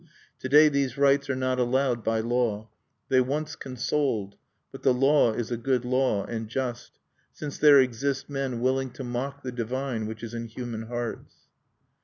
To day these rites are not allowed by law. They once consoled; but the law is a good law, and just, since there exist men willing to mock the divine which is in human hearts.